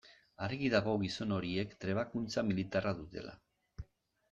Argi dago gizon horiek trebakuntza militarra dutela.